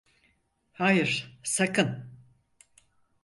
Hayır, sakın!